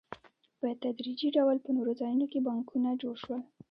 په تدریجي ډول په نورو ځایونو کې بانکونه جوړ شول